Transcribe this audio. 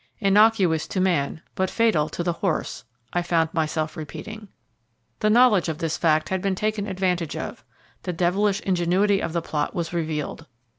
"Innocuous to man, but fatal to the horse," I found myself repeating. The knowledge of this fact had been taken advantage of the devilish ingenuity of the plot was revealed.